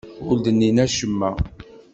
Ur d-nnin acemma.